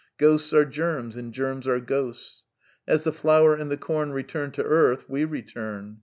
Ghosts are germs and germs are ghosts. As the flower and the com return to earth, we return.